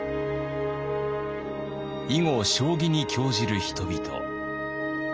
囲碁将棋に興じる人々。